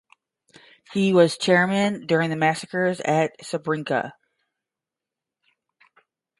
He was chairman during the massacres at Srebrenica.